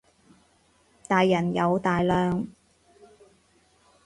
大人有大量